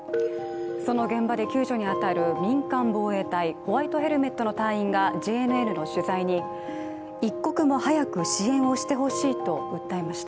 その現場で救助に当たる民間防衛隊、ホワイトヘルメットの隊員がＪＮＮの取材に一刻も早く支援をしてほしいと訴えました。